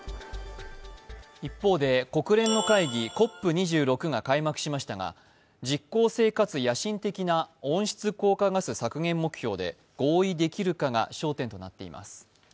一方で、国連の会議・ＣＯＰ２６が開幕しましたが実行性かつ野心的な温室効果ガス削減目標が合意できるかが焦点となっています。